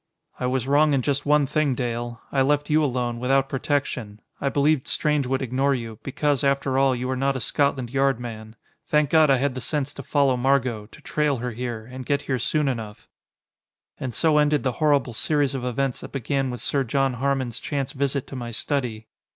"I was wrong in just one thing, Dale. I left you alone, without protection. I believed Strange would ignore you, because, after all, you are not a Scotland Yard man. Thank God I had the sense to follow Margot to trail her here and get here soon enough." And so ended the horrible series of events that began with Sir John Harmon's chance visit to my study.